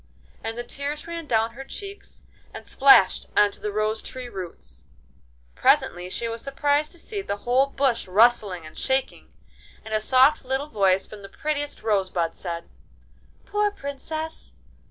And the tears ran down her cheeks and splashed on to the rose tree roots. Presently she was surprised to see the whole bush rustling and shaking, and a soft little voice from the prettiest rosebud said: 'Poor Princess!